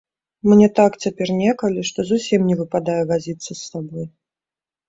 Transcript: Мне так цяпер некалі, што зусім не выпадае вазіцца з табой.